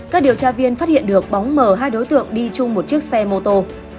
các điều tra viên phát hiện được bóng mờ hai đối tượng đi chung một chiếc xe mô tô